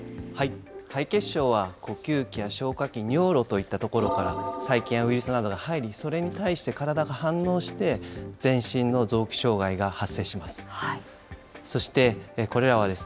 敗血症は呼吸器や消化器、尿路といったところから、細菌やウイルスなどが入り、それに対して体が反応して、全身の臓器障害が発生します。